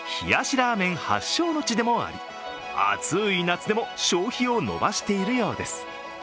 ラーメン発祥の地でもあり、暑い夏でも消費を伸ばしているようです。